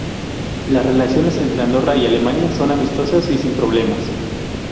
Las relaciones entre Andorra y Alemania son amistosas y sin problemas.